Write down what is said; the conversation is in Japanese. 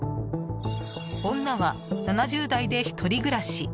女は７０代で１人暮らし。